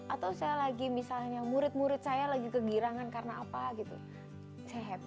atau misalnya murid murid saya lagi kegirangan karena apa gitu saya happy